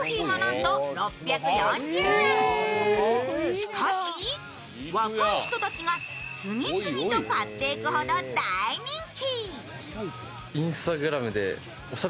しかし若い人たちが次々と買っていくほど大人気。